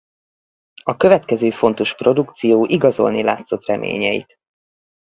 A következő fontos produkció igazolni látszott reményeit.